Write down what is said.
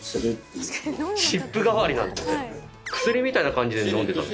薬みたいな感じで飲んでた。